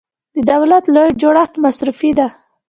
د دولت لوی جوړښت مصرفي دی.